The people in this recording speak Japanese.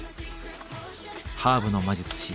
ハーブの魔術師